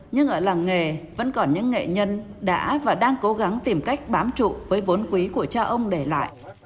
nhưng ở làng nghề vẫn còn những nghệ nhân đã và đang cố gắng tìm cách bám trụ với vốn quý của cha ông để lại